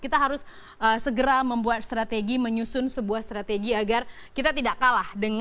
kita harus segera membuat strategi menyusun sebuah strategi agar kita tidak kalah